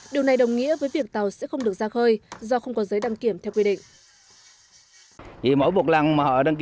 điều này đồng nghĩa với việc tàu sẽ không được ra khơi do không có giấy đăng kiểm theo quy định